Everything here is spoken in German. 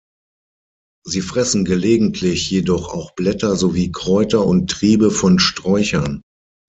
Sie fressen gelegentlich jedoch auch Blätter sowie Kräuter und Triebe von Sträuchern.